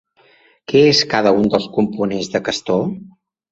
Què és cada un dels components de Castor?